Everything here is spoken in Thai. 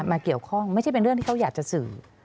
มาเกี่ยวข้องไม่ใช่เป็นเรื่องที่เขาอยากจะสื่อ